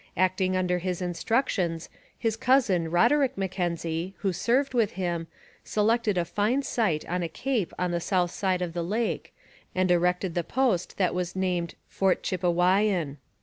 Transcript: Acting under his instructions, his cousin Roderick Mackenzie, who served with him, selected a fine site on a cape on the south side of the lake and erected the post that was named Fort Chipewyan.